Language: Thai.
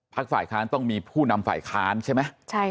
ฝ่ายค้านต้องมีผู้นำฝ่ายค้านใช่ไหม